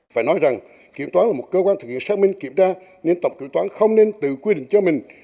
phải nói rằng kiểm toán là một cơ quan thực hiện xác minh kiểm tra nên tổng kiểm toán không nên tự quy định cho mình